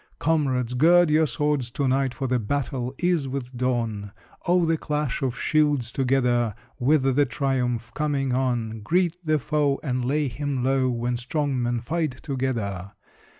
Comrades, gird your swords to night, For the battle is with dawn! Oh, the clash of shields together, With the triumph coming on! Greet the foe, And lay him low, When strong men fight together!